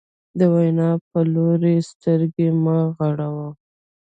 د وینا په لوري یې سترګې مه غړوه.